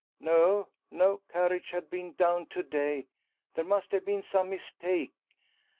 "No, no carriage had been down to day. There must have been some mistake."